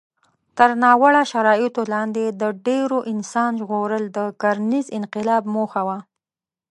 تر ناوړه شرایطو لاندې د ډېرو انسان ژغورل د کرنيز انقلاب موخه وه.